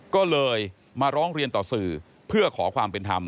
ก็เลยมาร้องเรียนต่อสื่อเพื่อขอความเป็นธรรม